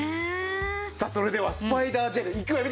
さあそれではスパイダージェルいくわよ？